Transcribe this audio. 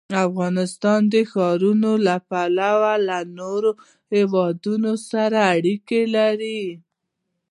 افغانستان د ښارونه له پلوه له نورو هېوادونو سره اړیکې لري.